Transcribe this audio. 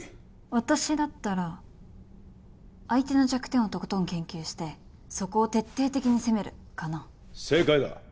私だったら相手の弱点をとことん研究してそこを徹底的に攻めるかな正解だ！